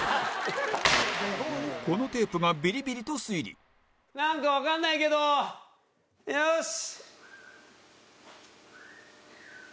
このテープがビリビリと推理なんかわかんないけどよし。